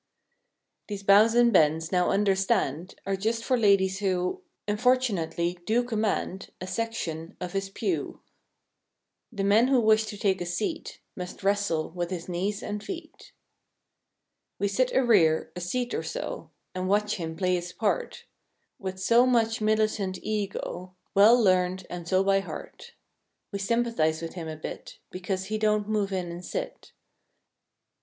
These "bows and bends," now understand. Are just for ladies who. Unfortunately do' command A section of his pew. The men who wish to take a seat Must wrestle with his knees and feet. We sit a rear, a seat or so. And watch him play his part With so much militant ego. Well learned and so by heart. We sympathize with him a bit Because he don't move in and sit.